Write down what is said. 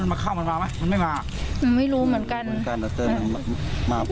อย่ามาที่เขาไม่มา